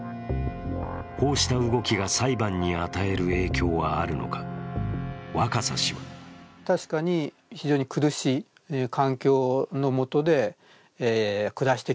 こうした動きが裁判に与える影響はあるのか、若狭氏は一方の旧統一教会。